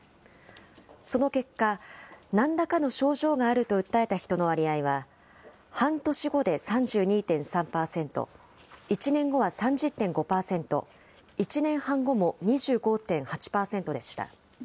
その結果、なんらかの症状があると訴えた人の割合は、半年後で３２．３％、１年後は３０．５％、１年半後も２５．８％でした。